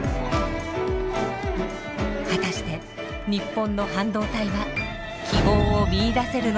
果たしてニッポンの半導体は希望を見いだせるのでしょうか？